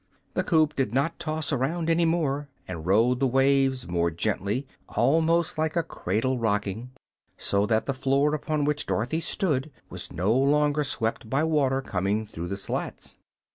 The coop did not toss around any more, but rode the waves more gently almost like a cradle rocking so that the floor upon which Dorothy stood was no longer swept by water coming through the slats.